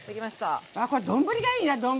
ああこれ丼がいいな丼。